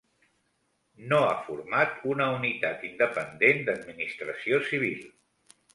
No ha format una unitat independent d'administració civil.